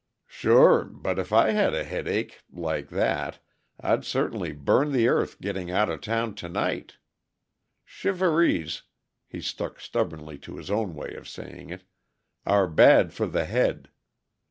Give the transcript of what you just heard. "Sure. But if I had a headache like that I'd certainly burn the earth getting outa town to night. Shivarees" he stuck stubbornly to his own way of saying it "are bad for the head.